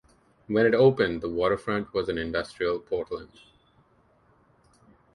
When it opened, the waterfront was an industrial portland.